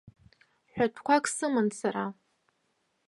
Ҳәатәқәак сыман сара.